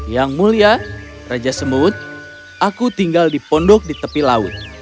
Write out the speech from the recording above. yang mulia raja semut aku tinggal di pondok di tepi laut